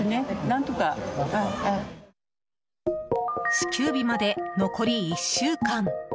支給日まで残り１週間。